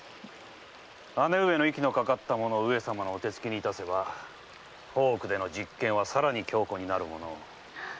姉上の息のかかった者を上様のお手つきに致せば大奥での実権はさらに強固になるものを。